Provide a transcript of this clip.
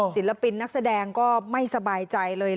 ศิลปินนักแสดงก็ไม่สบายใจเลย